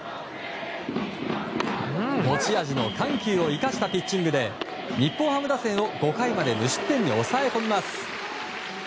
持ち味の緩急を生かしたピッチングで日本ハム打線を５回まで無失点に抑え込みます。